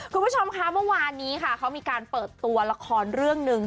คุณผู้ชมคะเมื่อวานนี้ค่ะเขามีการเปิดตัวละครเรื่องหนึ่ง